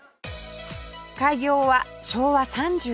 開業は昭和３６年